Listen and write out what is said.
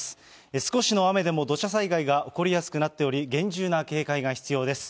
少しの雨でも土砂災害が起こりやすくなっており、厳重な警戒が必要です。